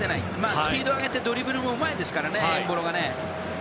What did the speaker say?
スピードもあってドリブルもうまいですからねエンボロは。